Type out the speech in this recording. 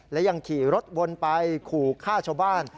และยังขี่รถวนไปขู่ฆ่าชาวบ้าน